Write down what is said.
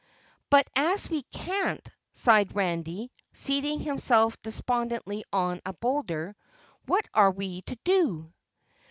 "But as we can't," sighed Randy, seating himself despondently on a boulder. "What are we to do?"